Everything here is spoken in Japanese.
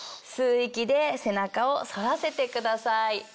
吸う息で背中を反らせてください。